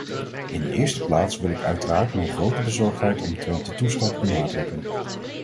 In de eerste plaats wil ik uiteraard mijn grote bezorgdheid omtrent de toestand benadrukken.